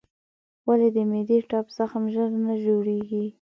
ولې د معدې ټپ زخم ژر نه جوړېږي؟